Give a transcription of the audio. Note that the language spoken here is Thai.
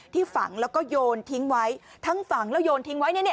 ฝังแล้วก็โยนทิ้งไว้ทั้งฝังแล้วโยนทิ้งไว้